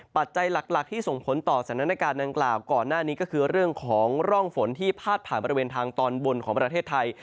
ปัจจัยหลักที่ส่งผลต่อสถานการณ์ดังกล่าวก่อนหน้านี้ก็คือเรื่องของร่องฝนที่พาดผ่านบริเวณทางตอนบนของประเทศไทย